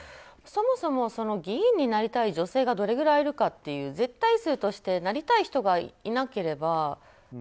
そもそも議員になりたい女性がどれぐらいいるかという絶対数としてなりたい人がいなければ。